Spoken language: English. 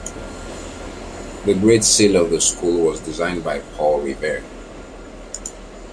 The great seal of the school was designed by Paul Revere.